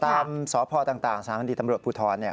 สพต่างสถานีตำรวจภูทรเนี่ย